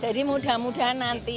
jadi mudah mudahan nanti